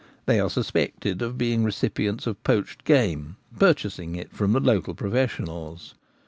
They are suspected of being recipients of poached game, purchasing it from the local professionals.